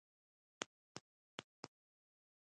زه د سپرلي بوی خوښوم.